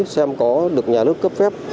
xem có được nhà nước cấp phép